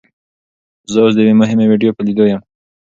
زه اوس د یوې مهمې ویډیو په لیدو یم.